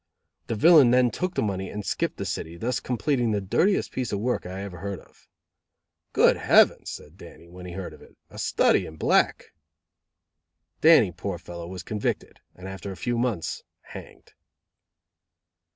The villain then took the money and skipped the city, thus completing the dirtiest piece of work I ever heard of. "Good Heavens!" said Dannie, when he heard of it. "A study in black!" Dannie, poor fellow, was convicted, and, after a few months, hanged.